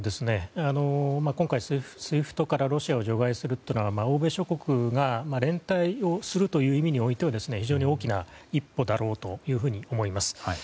今回ＳＷＩＦＴからロシアを除外するというのは欧米諸国が連帯をするという意味においては非常に大きな一歩だろうと思います。